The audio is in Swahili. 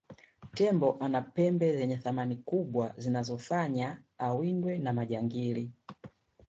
tembo ana pembe zenye thamani kubwa zinazofanya awindwe na majangili